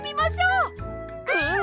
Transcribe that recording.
うん！